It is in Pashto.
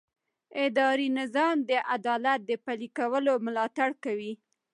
اداري نظام د عدالت د پلي کولو ملاتړ کوي.